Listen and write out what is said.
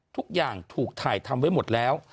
ทุกอย่างถูกถ่ายทำไว้หมดแล้ว